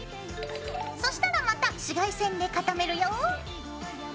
そしたらまた紫外線で固めるよ。